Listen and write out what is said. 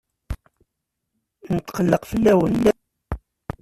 Netqelleq fell-awen.